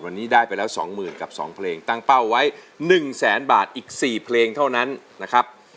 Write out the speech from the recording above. วันนี้ได้ไปแล้วสองหมื่นกับสองเพลงตั้งเป้าไว้หนึ่งแสนบาทอีกสี่เพลงเท่านั้นนะครับ